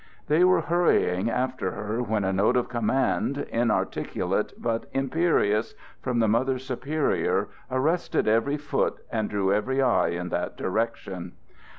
They were hurrying after her when a note of command, inarticulate but imperious, from the Mother Superior arrested every foot and drew every eye in that direction.